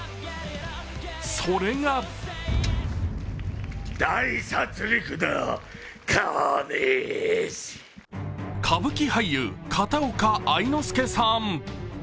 それが歌舞伎俳優、片岡愛之助さん。